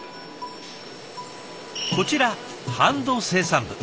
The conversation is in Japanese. こちらハンド生産部。